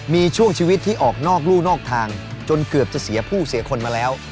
มีช่วงชีวิตที่ออกนอกรู่นอกทางจนเกือบจะเสียผู้เสียคนมาแล้ว